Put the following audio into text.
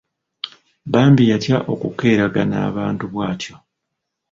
Bambi yatya okukeeragana abantu bw'atyo.